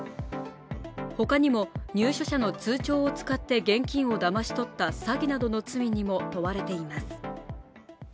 他にも入所者の通帳を使って現金をだまし取った詐欺などの罪にも問われています。